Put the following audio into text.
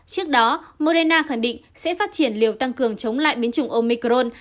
trước đó morena khẳng định sẽ phát triển liều tăng cường chống lại biến chủng omicron